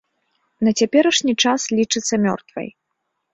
На цяперашні час лічыцца мёртвай.